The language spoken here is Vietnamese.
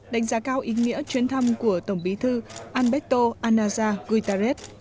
đánh giá cao ý nghĩa chuyến thăm của tổng bí thư alberto anasa guterres